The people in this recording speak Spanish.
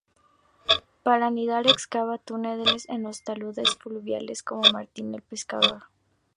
Para anidar, excava túneles en los taludes fluviales como un martín pescador.